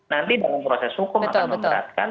nanti dalam proses hukum akan memberatkan